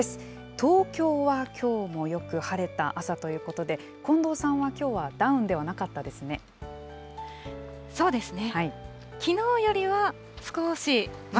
東京はきょうもよく晴れた朝ということで、近藤さんはきょうはダウンではなかったですね。